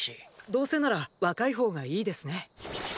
どうせなら若い方がいいですね。